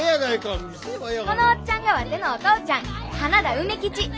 このおっちゃんがワテのお父ちゃん花田梅吉。